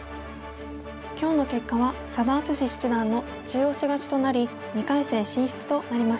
今日の結果は佐田篤史七段の中押し勝ちとなり２回戦進出となりました。